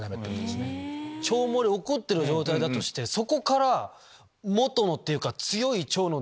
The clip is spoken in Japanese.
腸漏れ起こってる状態だとしてそこから元のっていうか。